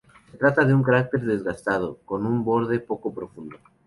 Se trata de un cráter desgastado, con un borde poco profundo.